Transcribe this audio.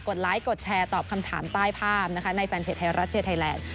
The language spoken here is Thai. ไลค์กดแชร์ตอบคำถามใต้ภาพนะคะในแฟนเพจไทยรัฐเชียร์ไทยแลนด์